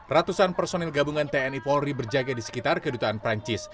ratusan personil gabungan tni polri berjaga di sekitar kedutaan perancis